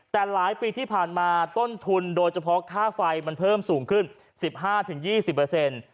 แต่หลายปีที่ผ่านมาต้นทุนโดยเฉพาะค่าไฟมันเพิ่มสูงขึ้น๑๕๒๐เปอร์เซ็นต์